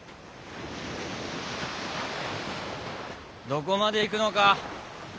どこまで行くのか？